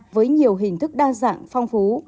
với nhiều hình thức đa dạng phong phú